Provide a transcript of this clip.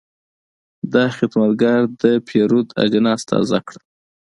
دا خدمتګر د پیرود اجناس تازه کړل.